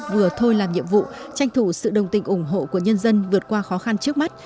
vừa thôi làm nhiệm vụ tranh thủ sự đồng tình ủng hộ của nhân dân vượt qua khó khăn trước mắt